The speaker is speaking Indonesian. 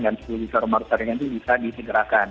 dan sepuluh juta rumah rusak ringan itu bisa disederakan